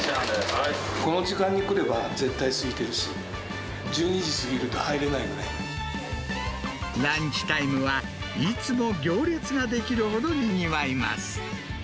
この時間にくれば絶対すいてるし、ランチタイムは、いつも行列が出来るほどにぎわいます。